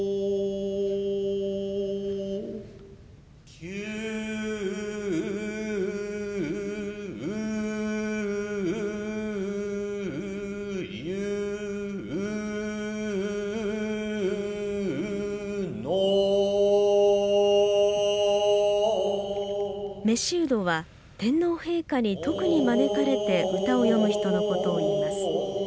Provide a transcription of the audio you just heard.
旧友の召人は天皇陛下に特に招かれて歌を詠む人のことをいいます。